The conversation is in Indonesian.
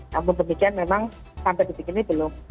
namun demikian memang sampai di begini belum